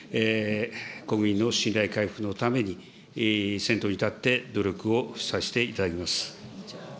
国民の信頼回復のために、先頭に立って努力をさせていただきます。